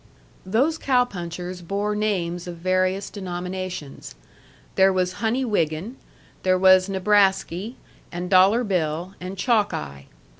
Those cow punchers bore names of various denominations. There was Honey Wiggin; there was Nebrasky, and Dollar Bill, and Chalkeye.